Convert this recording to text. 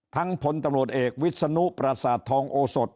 พลตำรวจเอกวิศนุปราสาททองโอสด